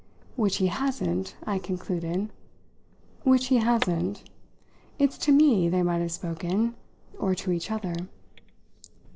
"Which he hasn't!" I concluded. "Which he hasn't. It's to me they might have spoken or to each other."